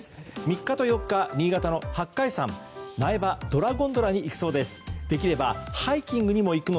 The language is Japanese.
３日と４日、新潟の八海山苗場ドラゴンドラに行く。